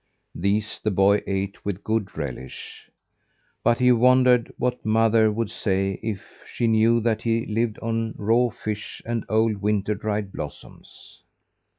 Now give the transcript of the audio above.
These the boy ate with a good relish. But he wondered what mother would say, if she knew that he had lived on raw fish and old winter dried blossoms.